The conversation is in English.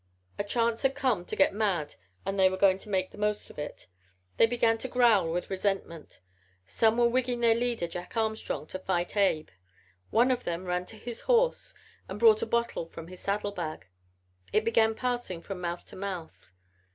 A chance had come to get mad and they were going to make the most of it. They began to growl with resentment. Some were wigging their leader Jack Armstrong to fight Abe. One of them ran to his horse and brought a bottle from his saddlebag. It began passing from mouth to mouth.